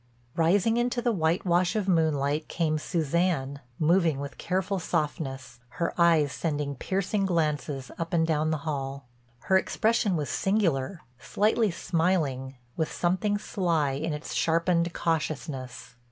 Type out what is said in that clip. Rising into the white wash of moonlight came Suzanne, moving with careful softness, her eyes sending piercing glances up and down the hall. Her expression was singular, slightly smiling, with something sly in its sharpened cautiousness.